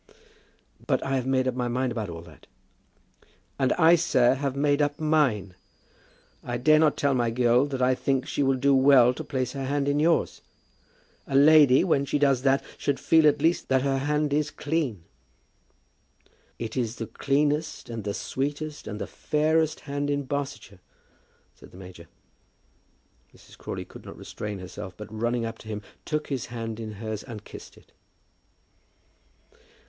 "But I have made up my mind about all that." "And I, sir, have made up mine. I dare not tell my girl that I think she will do well to place her hand in yours. A lady, when she does that, should feel at least that her hand is clean." "It is the cleanest and the sweetest and the fairest hand in Barsetshire," said the major. Mrs. Crawley could not restrain herself, but running up to him, took his hand in hers and kissed it.